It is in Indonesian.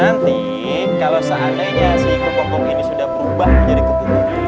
nanti kalau seandainya si kupu kupu ini sudah berubah menjadi kupu kupu ini